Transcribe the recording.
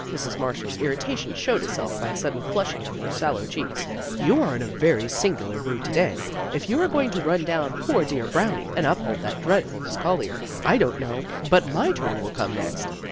Mrs. Marshall's irrita tion showed itself by a sudden flushing of her sallow cheeks. " You are in a very singular mood to day. If you are going to run down poor dear Brownie, and uphold that dreadful Miss Collier, I don't know but my turn will come next."